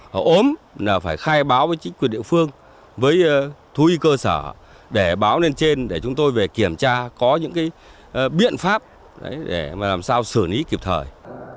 họ ốm là phải khai báo với chính quyền địa phương với thú y cơ sở để báo lên trên để chúng tôi về kiểm tra có những cái biện pháp để làm sao xử lý kịp thời